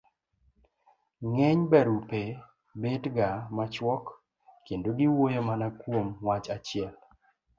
ng'eny barupe bet ga machuok kendo giwuoyo mana kuom wach achiel.